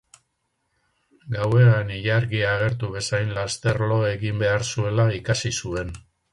Gauean ilargia agertu bezain laster lo egin behar zuela ikasi zuen.